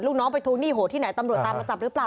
ลูกน้องไปทวงหนี้โหดที่ไหนตำรวจตามมาจับหรือเปล่า